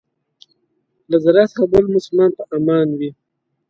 له ضرر څخه بل مسلمان په امان وي.